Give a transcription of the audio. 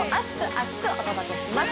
厚く！お届けします。